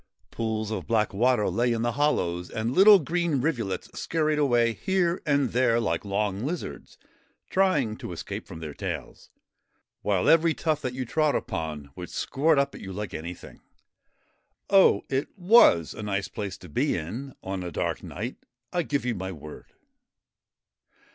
Pools of black water lay in the hollows, and little green rivulets scurried away here and there like long lizards trying to escape from their tails, while every tuft that you trod upon would squirt up at you like anything. Oh ! it was a nice place to be in on a dark night, I give you my word.